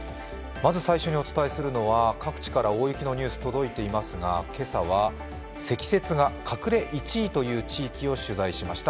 まず最初にお伝えするのは各地から大雪のニュース届いていますが、今朝は積雪が隠れ１位という地域を取材しました。